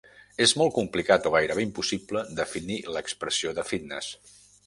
És molt complicat o gairebé impossible definir l'expressió de fitnes.